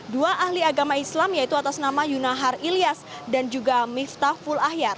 dua ahli agama islam yaitu atas nama yunahar ilyas dan juga miftahul ahyar